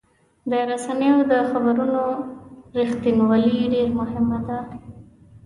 د رسنیو د خبرونو رښتینولي ډېر مهمه ده.